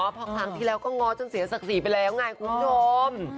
เพราะครั้งที่แล้วก็ง้อจนเสียศักดิ์ศรีไปแล้วไงคุณผู้ชม